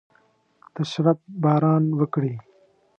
د شرپ باران وکړي